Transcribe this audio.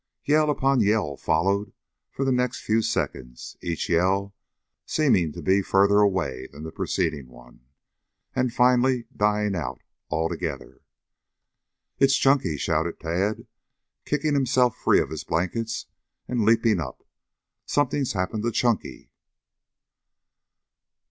Yell upon yell followed for the next few seconds, each yell seeming to be further away than the preceding one, and finally dying out altogether. "It's Chunky!" shouted Tad, kicking himself free of his blankets and leaping up. "Some thing's happened to Chunky!"